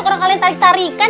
orang kalian tarik tarikan